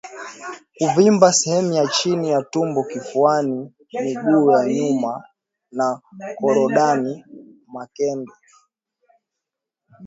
Kuvimba sehemu ya chini ya tumbo kifuani miguu ya nyuma na korodani makende